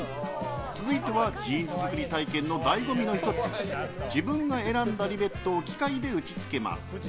続いてはジーンズ作り体験の醍醐味の１つ自分が選んだリベットを機械で打ち付けます。